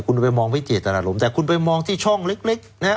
คุณไปมองวิเจตนารมณ์แต่คุณไปมองที่ช่องเล็กนะฮะ